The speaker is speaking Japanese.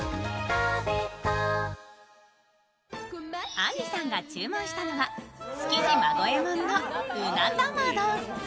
あんりさんが注文したのは築地孫右衛門のうな玉丼。